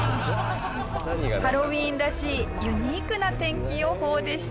ハロウィーンらしいユニークな天気予報でした。